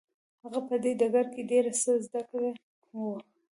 هغه په دې ډګر کې ډېر څه زده کړي وو.